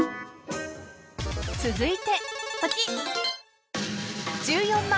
［続いて］